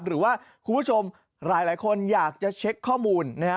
คุณผู้ชมหลายคนอยากจะเช็คข้อมูลนะฮะ